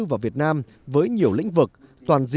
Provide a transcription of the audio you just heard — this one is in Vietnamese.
khi đến đây với gia đình của ông ấy